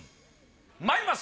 まいります。